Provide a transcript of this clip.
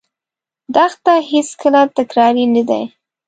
دښته هېڅکله تکراري نه ده.